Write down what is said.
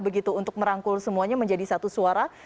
begitu untuk merangkul semuanya menjadi satu suara